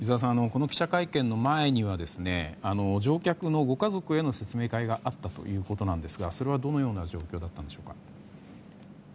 この記者会見の前には乗客のご家族への説明会があったということですがそれはどのような状況だったのでしょうか。